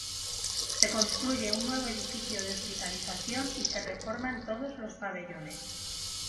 Se construye un nuevo edificio de hospitalización y se reforman todos los pabellones.